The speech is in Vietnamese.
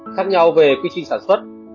khác nhau về quy trình sản xuất